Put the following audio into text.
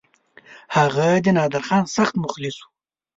هغه د نادرخان سخت مخلص وو.